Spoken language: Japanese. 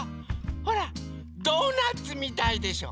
ほらドーナツみたいでしょ！